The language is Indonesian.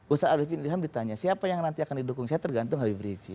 ustadz arifin ilham ditanya siapa yang nanti akan didukung saya tergantung habib rizik